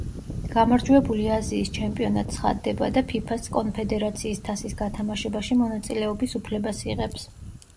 გამარჯვებული აზიის ჩემპიონად ცხადდება და ფიფას კონფედერაციის თასის გათამაშებაში მონაწილეობის უფლებას იღებს.